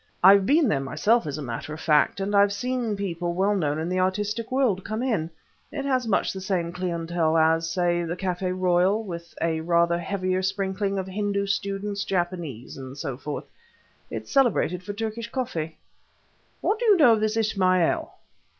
I've been there myself as a matter of fact, and I've seen people well known in the artistic world come in. It has much the same clientele as, say, the Café Royal, with a rather heavier sprinkling of Hindu students, Japanese, and so forth. It's celebrated for Turkish coffee." "What do you know of this Ismail?"